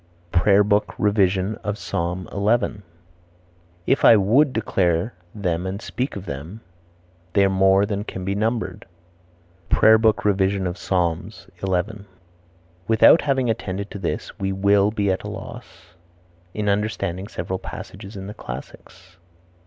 Prayer Book Revision of Psalms XI. "If I would declare them and speak of them, they are more than can be numbered." Ibid. "Without having attended to this, we will be at a loss, in understanding several passages in the classics."